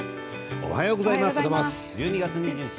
おはようございます。